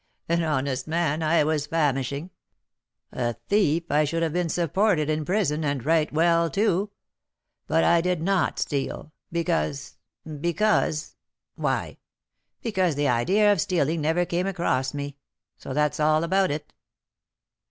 An honest man, I was famishing; a thief, I should have been supported in prison, and right well, too! But I did not steal, because because why, because the idea of stealing never came across me; so that's all about it!"